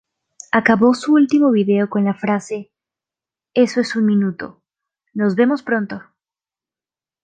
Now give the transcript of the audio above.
Acabó su último vídeo con la frase "Eso es un minuto, nos vemos pronto!